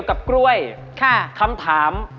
กล้วยอะไร